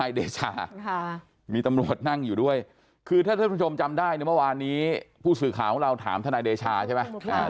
แอบนี้จำได้เนี่ยเมื่อวานนี้ผู้สื่อข่าวของเราถามทะนายเดชาใช่มั้ย